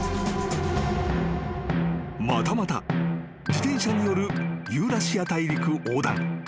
［またまた自転車によるユーラシア大陸横断］